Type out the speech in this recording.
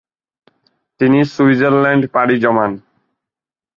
তিনি সুইজারল্যান্ড পাড়ি জমান ।